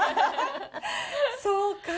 そうか。